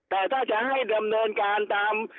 แต่ถ้าจะให้ดำเนินการตาม